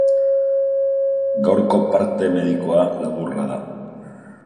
Gaurko parte medikoa laburra da.